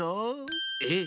えっ？